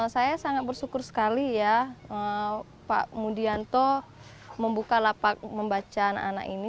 saya sangat bersyukur sekali ya pak mudianto membuka lapak membaca anak anak ini